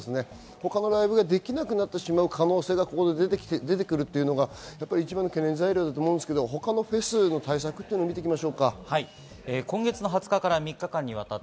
他のライブができなくなってしまう可能性がここで出てきてしまうというのが一番の懸念材料だと思うんですが、他のフェスの対策をみていきましょうか。